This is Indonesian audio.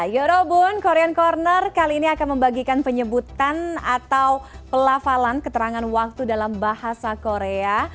yorobun korean corner kali ini akan membagikan penyebutan atau pelafalan keterangan waktu dalam bahasa korea